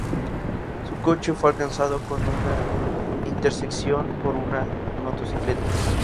Su coche fue alcanzado en una intersección por una motocicleta.